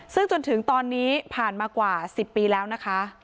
ซึ่งจนถึงตอนนี้ผ่านมากว่า๑๐ปีแล้วนะคะ